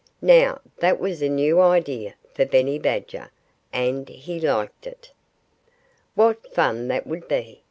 Now, that was a new idea for Benny Badger. And he liked it. "What fun that would be!"